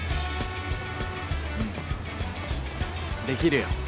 できるよ。